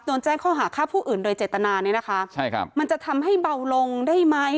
โดนแจ้งข้อหาฆ่าผู้อื่นโดยเจตนาเนี่ยนะคะใช่ครับมันจะทำให้เบาลงได้ไหม